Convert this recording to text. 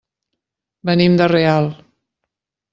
Venim de Real.